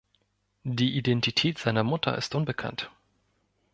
Die Identität seiner Mutter ist unbekannt.